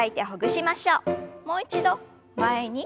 もう一度前に。